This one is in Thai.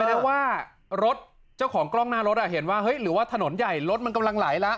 แสดงว่ารถเจ้าของกล้องหน้ารถเห็นว่าเฮ้ยหรือว่าถนนใหญ่รถมันกำลังไหลแล้ว